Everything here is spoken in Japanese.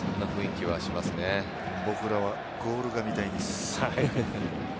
僕らはゴールが見たいんです。